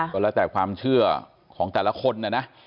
ก็แล้วแต่ความเชื่อของแต่ละคนนะนะ